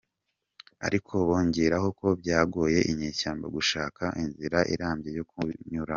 Ariko bongeraho ko byagoye inyeshyamba gushaka inzira irambye yo kunyuramo.